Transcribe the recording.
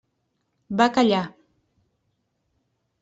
Va callar.